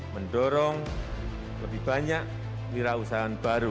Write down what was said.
mendorong lebih banyak pilihan usaha baru